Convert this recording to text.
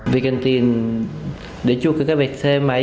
vì cần tiền để trục cái cái vệch xe máy